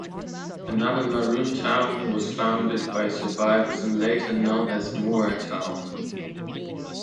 Another Maroon town was founded by survivors and later known as Moore Town.